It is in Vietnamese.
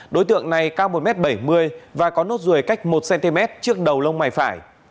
đối tượng này cao một m bảy mươi và có nốt ruồi cách một cm trước đầu lông mày phải